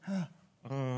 うん。